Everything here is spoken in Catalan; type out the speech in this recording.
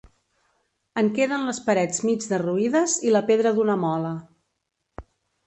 En queden les parets mig derruïdes i la pedra d'una mola.